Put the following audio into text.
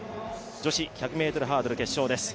女子１００ｍハードル決勝です。